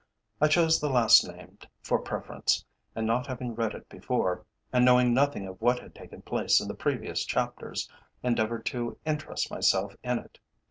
I chose the last named for preference, and not having read it before, and knowing nothing of what had taken place in the previous chapters, endeavoured to interest myself in it.